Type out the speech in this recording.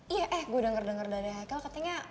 iya eh gue denger denger dari haichael katanya